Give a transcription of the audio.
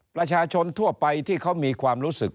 ประชาชนทั่วไปที่เขามีความรู้สึก